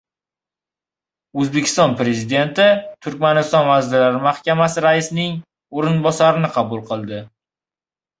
O‘zbekiston Prezidenti Turkmaniston Vazirlar Mahkamasi Raisining o‘rinbosarini qabul qildi